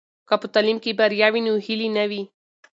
که په تعلیم کې بریا وي نو ناهیلي نه وي.